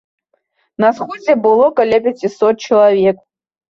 На сходзе было каля пяцісот чалавек.